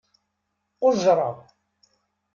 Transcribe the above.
Qujjṛeɣ.